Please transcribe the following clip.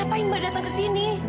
ngapain mbak datang ke sini